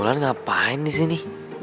mulan ngapain disini